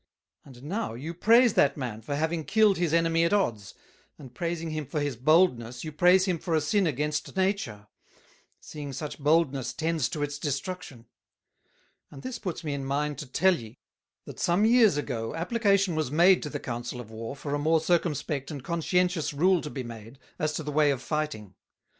And now you praise that Man, for having killed his Enemy at odds, and praising him for his Boldness you praise him for a Sin against nature; seeing such Boldness tends to its destruction. And this puts me in mind to tell ye, that some Years ago application was made to the Council of War for a more circumspect and conscientious Rule to be made, as to the way of Fighting.